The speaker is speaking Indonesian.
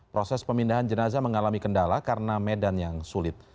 proses pemindahan jenazah mengalami kendala karena medan yang sulit